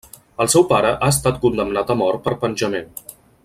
El seu pare ha estat condemnat a mort per penjament.